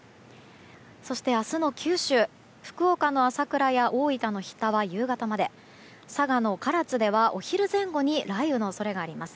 そして、明日の九州福岡の朝倉や大分の日田は夕方まで佐賀の唐津ではお昼前後に雷雨の恐れがあります。